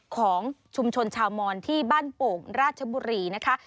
ของชุมชนชาวมอนที่บ้านโป่งราชบุรีนะคะ